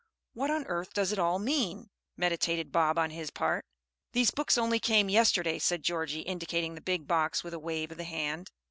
"What on earth does it all mean?" meditated Bob on his part. "These books only came yesterday," said Georgie, indicating the big box with a wave of the hand.